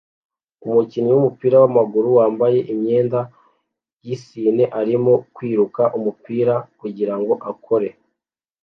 Umukinnyi wumupira wamaguru wambaye imyenda yisine arimo kwiruka umupira kugirango akore